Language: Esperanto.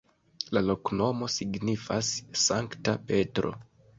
La loknomo signifas: Sankta Petro.